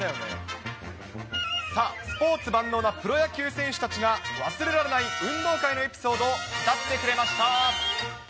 さあ、スポーツ万能なプロ野球選手たちが、忘れられない運動会のエピソードを語ってくれました。